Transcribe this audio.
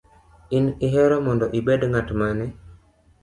In ihero mondo ibed ng’at mane?